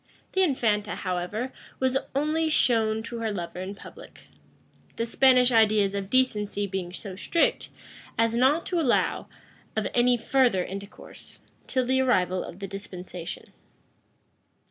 The infanta, however, was only shown to her lover in public; the Spanish ideas of decency being so strict, as not to allow of any further intercourse, till the arrival of the dispensation.